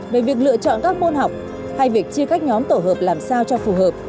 về việc lựa chọn các môn học hay việc chia các nhóm tổ hợp làm sao cho phù hợp